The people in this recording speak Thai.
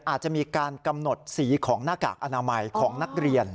อาจจะมีการกำหนดสีของหน้ากากอนามัยของนักเรียน